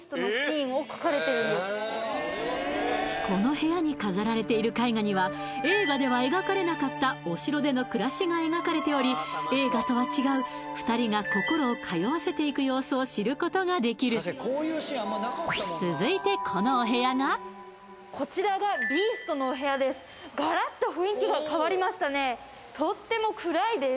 この部屋に飾られている絵画には映画では描かれなかったお城での暮らしが描かれており映画とは違う２人が心を通わせていく様子を知ることができる続いてこちらがビーストのお部屋ですあっ